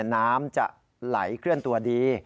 น้ำจะไหลเคลื่อนตัวดี